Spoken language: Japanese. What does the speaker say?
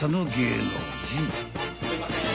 すいません。